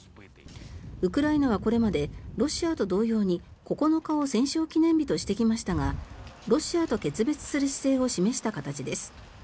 ウクライナはこれまでロシアと同様に９日を戦勝記念日としてきましたがロシアと決別する姿勢を示した形です。